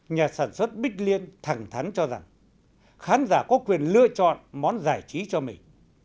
nhà sản xuất bích liên thẳng thắn cho rằng khán giả có quyền lựa chọn món giải trí cho mình